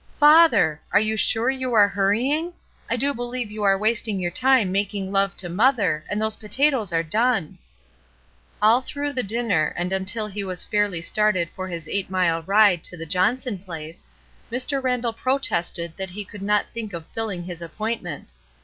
"Father! Are you Bvue you are hurrying? I do believe you are wasting your time making love to mother, and those potatoes are done!" All through the dinner, and until he was fairly started for his eight mile ride to the Johnson place, Mr. Randall protested that he could not think of filling his appointment.